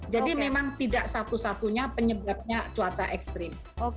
jadi memang tidak satu satunya penyebabnya cuaca ekstrim